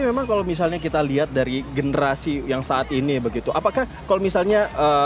memang kalau misalnya kita lihat dari generasi yang saat ini begitu apakah kalau misalnya